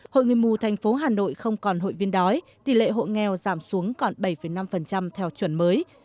hội người mù thành phố hà nội không còn hội viên đói tỷ lệ hộ nghèo giảm xuống còn bảy năm theo chuẩn mới